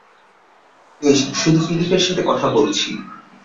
বেশ, শুধু ফিলিপের সাথে কথা বলছি।